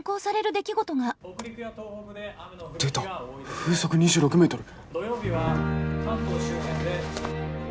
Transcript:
出た風速２６メートル。